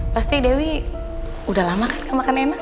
pasti dewi udah lama kan makan enak